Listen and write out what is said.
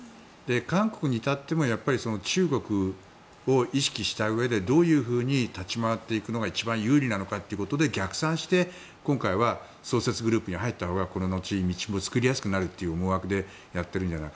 韓国に至ってもやっぱり中国を意識したうえでどういうふうに立ち回っていくのが一番有利なのかということで逆算して今回は創設グループに入ったほうがこの後、道も作りやすくなるという思惑でやっているのではと。